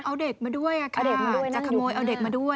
เอาเด็กมาด้วยเด็กจะขโมยเอาเด็กมาด้วย